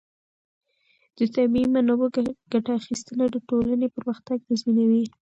د طبیعي منابعو ګټه اخیستنه د ټولنې پرمختګ تضمینوي.